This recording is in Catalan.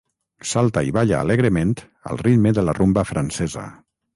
Salta i balla alegrement al ritme de la rumba francesa.